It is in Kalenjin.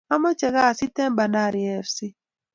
Amche kasit en bandari fc